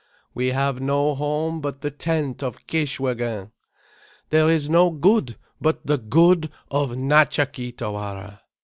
"We have no home but the tent of Kishwégin." "THERE IS NO GOOD BUT THE GOOD OF NATCHA KEE TAWARA."